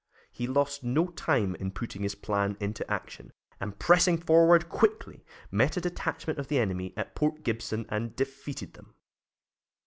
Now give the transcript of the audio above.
He lost no time in putting his plan into action, and pressing forward quickly, met a detachment of the enemy at Port Gibson and defeated them.